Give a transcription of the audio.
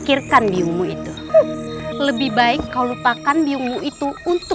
kematlah dengan itu